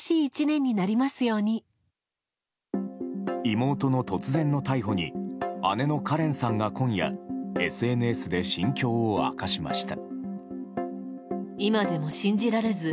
妹の突然の逮捕に姉のカレンさんが今夜ＳＮＳで心境を明かしました。